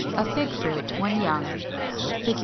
A fig fruit when young. 406.